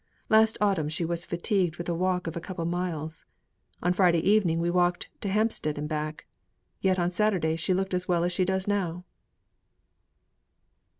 Last autumn she was fatigued with a walk of a couple of miles. On Friday evening we walked up to Hampstead and back. Yet on Saturday she looked as well as she does now."